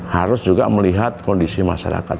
harus juga melihat kondisi masyarakat